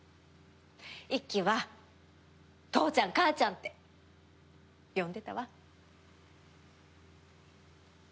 一輝は父ちゃん母ちゃんって呼んでたわ。